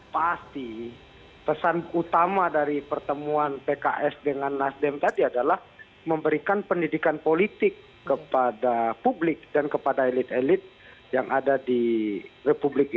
pasti pesan utama dari pertemuan pks dengan nasdem tadi adalah memberikan pendidikan politik kepada publik dan kepada elit elit yang ada di republik ini